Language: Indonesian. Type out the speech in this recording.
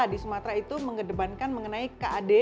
di sumatera itu mengedepankan mengenai kad